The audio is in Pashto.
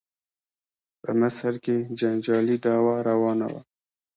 په مصر کې جنجالي دعوا روانه وه.